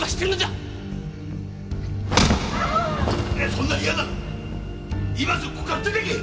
そんなに嫌なら今すぐここから出ていけ！